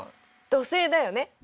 土星だよね。